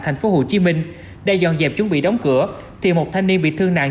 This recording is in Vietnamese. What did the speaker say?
thành phố hồ chí minh đang dọn dẹp chuẩn bị đóng cửa thì một thanh niên bị thương nạn